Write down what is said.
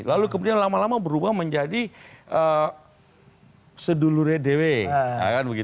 lalu kemudian lama lama berubah menjadi sedulure dw